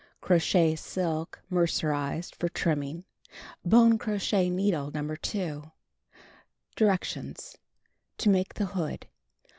Crochet silk (mercerized) for trimming. Bone crochet needle, No. 2. Directions: To Make the Hood.